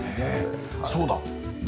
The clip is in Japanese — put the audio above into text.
そうだ。